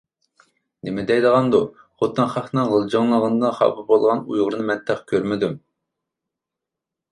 -نېمە دەيدىغاندۇ، خوتۇن خەقنىڭ غىلجىڭلىغىنىدىن خاپا بولغان ئۇيغۇرنى مەن تېخى كۆرمىدىم!